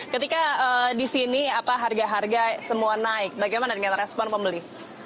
ketika di sini harga harga semua naik bagaimana dengan respon pembeli